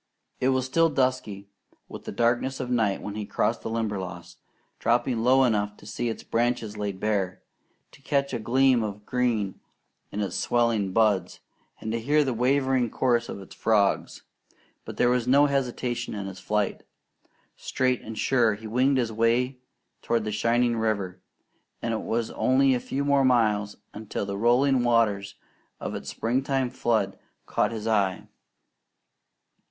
It was still dusky with the darkness of night when he crossed the Limberlost, dropping low enough to see its branches laid bare, to catch a gleam of green in its swelling buds, and to hear the wavering chorus of its frogs. But there was no hesitation in his flight. Straight and sure he winged his way toward the shining river; and it was only a few more miles until the rolling waters of its springtime flood caught his eye.